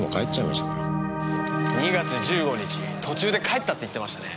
２月１５日途中で帰ったって言ってましたね。